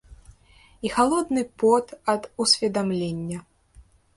І халодны пот ад усведамлення.